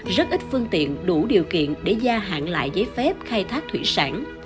rất ít phương tiện đủ điều kiện để gia hạn lại giấy phép khai thác thủy sản